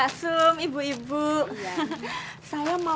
kamu nggak usah tanya sayang